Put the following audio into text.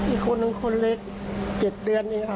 อีกคนนึงคนเล็ก๗เดือนเองค่ะ